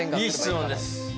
いい質問です。